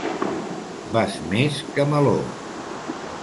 Vas més que Meló.